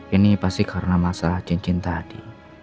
ini pasti karena masalah cincin tadi